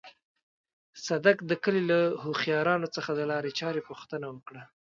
صدک د کلي له هوښيارانو څخه د لارې چارې پوښتنه وکړه.